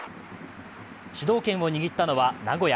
主導権を握ったのは名古屋。